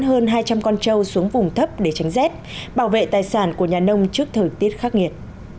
hơn hai trăm linh con trâu xuống vùng thấp để tránh rét bảo vệ tài sản của nhà nông trước thời tiết khắc nghiệt